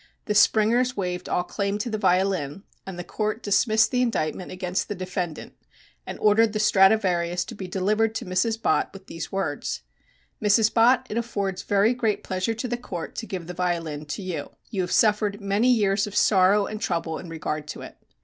The Springers waived all claim to the violin, and the Court dismissed the indictment against the defendant and ordered the Stradivarius to be delivered to Mrs. Bott, with these words: "Mrs. Bott, it affords very great pleasure to the Court to give the violin to you. You have suffered many years of sorrow and trouble in regard to it."